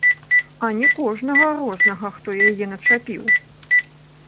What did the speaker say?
А не кожнага рознага, хто яе начапіў!